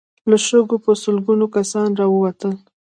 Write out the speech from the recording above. له شګو په سلګونو کسان را ووتل.